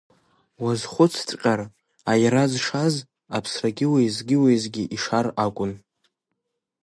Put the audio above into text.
Уазхәыцҵәҟьар, аира зшаз, аԥсрагьы уеизгьы-уеизгьы ишар акәын.